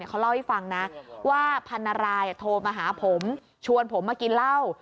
เขาเล่าให้ฟังนะว่าพันรายโทรมาหาผมชวนผมมากินเหล้า